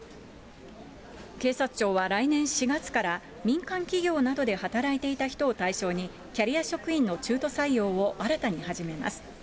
警察庁は来年４月から民間企業などで働いていた人を対象に、キャリア職員の中途採用を新たに始めます。